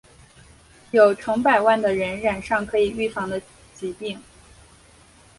有成百万的人染上可以预防的疾病。